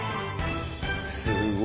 すごい。